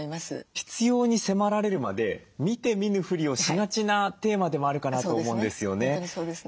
必要に迫られるまで見て見ぬふりをしがちなテーマでもあるかなと思うんですよね。